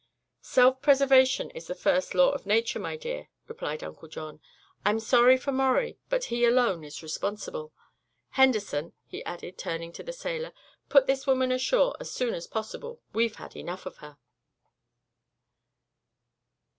"Self preservation is the first law of nature, my dear," replied Uncle John. "I'm sorry for Maurie, but he alone is responsible. Henderson," he added, turning to the sailor, "put this woman ashore as soon as possible. We've had enough of her."